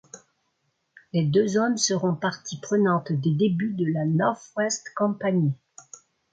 Les deux hommes seront partie prenante des débuts de la North West Company.